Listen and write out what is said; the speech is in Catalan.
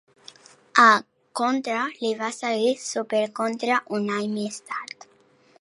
A "Contra" li va seguir "Super Contra" un any més tard.